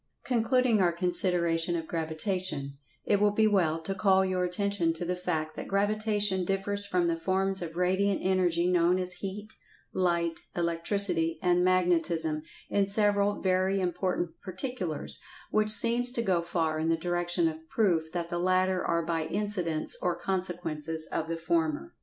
Concluding our consideration of Gravitation, it will be well to call your attention to the fact[Pg 142] that Gravitation differs from the forms of Radiant Energy known as Heat, Light, Electricity and Magnetism in several very important particulars, which seems to go far in the direction of proof that the latter are by incidents or consequences of the former.